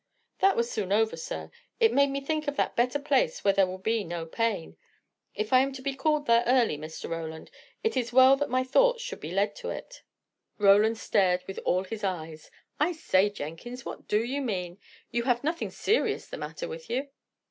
"That was soon over, sir. It made me think of that better place where there will be no pain. If I am to be called there early, Mr. Roland, it is well that my thoughts should be led to it." Roland stared with all his eyes. "I say, Jenkins, what do you mean? You have nothing serious the matter with you?"